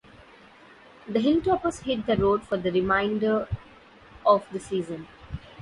The Hilltoppers hit the road for the remainder of the season.